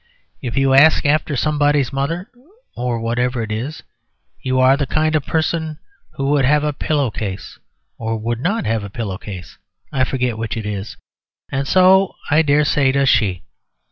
If you ask after somebody's mother (or whatever it is), you are the kind of person who would have a pillow case, or would not have a pillow case. I forget which it is; and so, I dare say, does she.